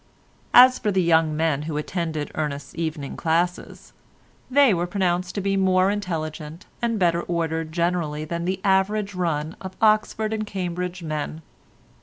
As for the young men who attended Ernest's evening classes, they were pronounced to be more intelligent and better ordered generally than the average run of Oxford and Cambridge men.